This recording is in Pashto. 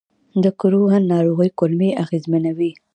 د کروهن ناروغي کولمې اغېزمنوي.